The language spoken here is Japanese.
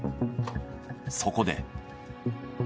そこで。